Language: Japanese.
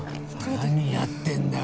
何やってんだよ